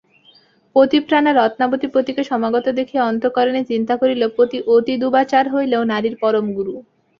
পতিপ্রাণা রত্নাবতী পতিকে সমাগত দেখিয়া অন্তঃকরণে চিন্তা করিল পতি অতিদুবাচার হইলেও নারীর পরম গুরু।